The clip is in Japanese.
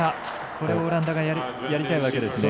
これをオランダはやりたいわけですね。